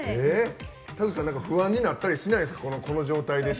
不安になったりしないですか？